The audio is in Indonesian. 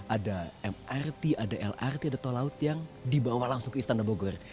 ada mrt ada lrt ada tol laut yang dibawa langsung ke istana bogor